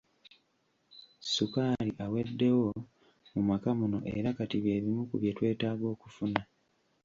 Ssukaali aweddewo mu maka muno era kati by'ebimu ku bye twetaaga okufuna.